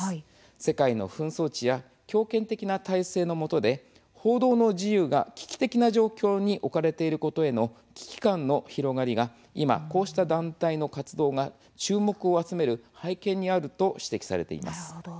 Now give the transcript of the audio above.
世界の紛争地や強権的な体制のもとで報道の自由が危機的な状況に置かれていることへの危機感の広がりが今、こうした団体の活動が注目を集める背景にあると指摘されています。